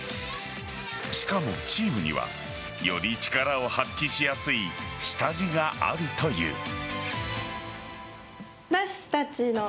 しかも、チームにはより力を発揮しやすい下地があるという。